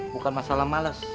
bukan masalah males